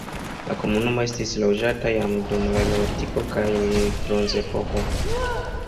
La komunumo estis loĝata jam dum la neolitiko kaj bronzepoko.